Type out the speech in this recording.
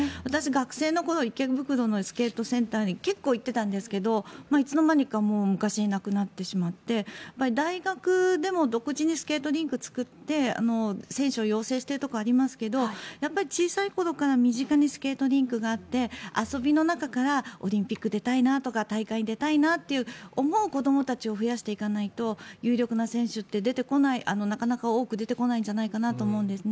学生の頃池袋のスケートセンターに結構行っていたんですがいつのまにか昔になくなってしまって大学でも独自にスケートリンクを作って選手を養成しているところがありますが、小さい頃から身近にスケートリンクがあって遊びの中からオリンピック出たいなとか大会に出たいなと思う子どもたちを増やしていかないと有力な選手って出てこないなかなか多く出てこないと思うんです。